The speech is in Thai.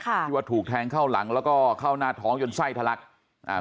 ที่ว่าถูกแทงเข้าหลังแล้วก็เข้าหน้าท้องจนไส้ทะลักอ่า